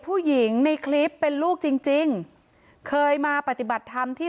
ผู้หญิงในคลิปเป็นลูกจริงจริงเคยมาปฏิบัติธรรมที่